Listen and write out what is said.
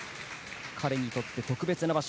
彼にとって特別な場所